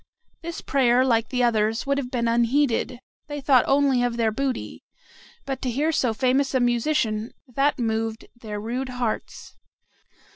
This prayer, like the others, would have been unheeded, they thought only of their booty, but to hear so famous a musician, that moved their rude hearts.